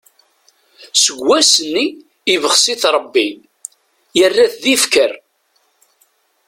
Seg wass-nni, ibxes-it Rebbi, yerra-t d ifker.